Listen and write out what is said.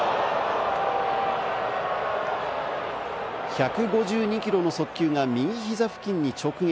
１５２キロの速球が右膝付近に直撃。